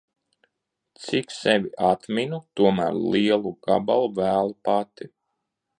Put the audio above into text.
Cik sevi atminu, tomēr lielu gabalu vēlu pati.